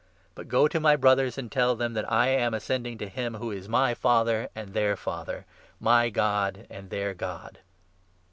But go to my Brothers, and tell them that I am ascending to him who is my Father and their Father, my God and their God."